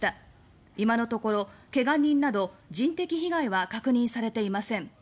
今のところ怪我人など人的被害は確認されていません。